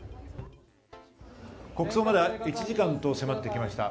国葬まで１時間と迫ってきました。